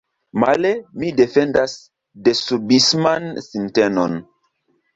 Male, mi defendas desubisman sintenon.